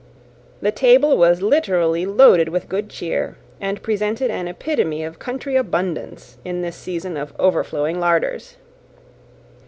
* * See Note E. The table was literally loaded with good cheer, and presented an epitome of country abundance, in this season of overflowing larders.